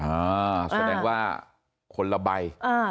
อ่าแสดงว่าคนละใบ